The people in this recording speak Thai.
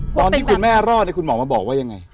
ตอนที่คุณแม่รอดคุณหมอมาบอกว่ายังไง